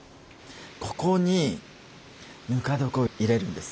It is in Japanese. ここにぬか床を入れるんです。